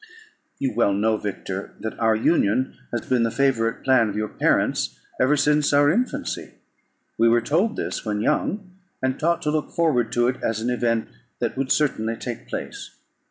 "You well know, Victor, that our union had been the favourite plan of your parents ever since our infancy. We were told this when young, and taught to look forward to it as an event that would certainly take place.